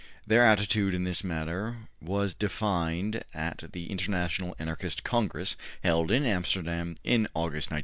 Their attitude in this matter was defined at the International Anarchist Congress held in Amsterdam in August, 1907.